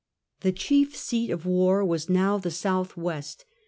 The chief seat of war was now the South west.